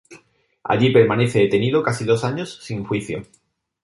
Allí permanece detenido casi dos años sin juicio.